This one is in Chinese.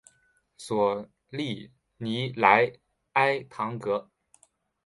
索利尼莱埃唐格。